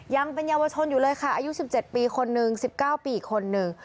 ยังเป็นเยาวชนอยู่เลยค่ะอายุ๑๗ปีคนนึง๑๙ปีอีกคนนึง